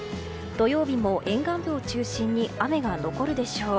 土曜日も沿岸部と中心に雨が残るでしょう。